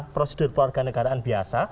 prosedur warga negaraan biasa